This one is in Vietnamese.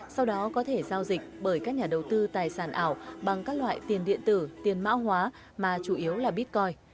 sau đó có thể giao dịch bởi các nhà đầu tư tài sản ảo bằng các loại tiền điện tử tiền mã hóa mà chủ yếu là bitcoin